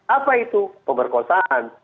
apa itu pemberkosaan